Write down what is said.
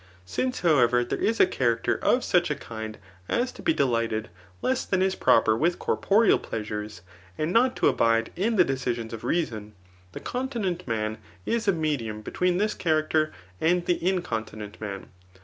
Since, however, there is a character of such a kind as to foe dehghted less than is proper with corporeal pleasures, and not to abide in the dedsions of reason, the continent man is a medium between this character and the inconti nent man.